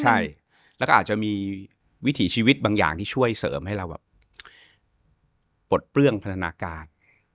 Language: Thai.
ใช่แล้วก็อาจจะมีวิถีชีวิตบางอย่างที่ช่วยเสริมให้เราแบบปลดเปลื้องพัฒนาการ